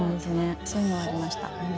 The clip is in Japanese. そういうのはありました。